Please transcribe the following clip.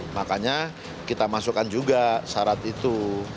makanya kita masukkan juga syarat itu